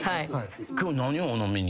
今日何をお飲みに？